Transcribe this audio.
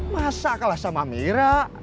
masaklah sama mira